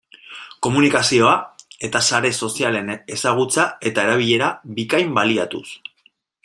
Komunikazioa eta sare sozialen ezagutza eta erabilera bikain baliatuz.